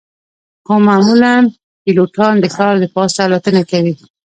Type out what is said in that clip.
خو معمولاً پیلوټان د ښار د پاسه الوتنه کوي